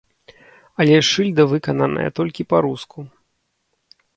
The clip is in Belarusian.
Але ж шыльда выкананая толькі па-руску.